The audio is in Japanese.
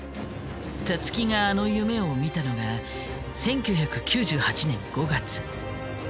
たつきがあの夢を見たのが１９９８年５月。